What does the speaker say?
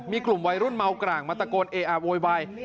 มีกลุ่มวัยรุ่นเมากร่างมาตะโกนเออะโวยวาย